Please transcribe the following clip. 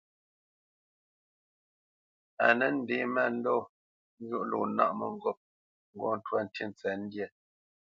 A tə́ ndě mándɔ njwóʼ lo nâʼ mə̂ŋgôp ŋgɔ́ ntwá ntí ntsəndyâ.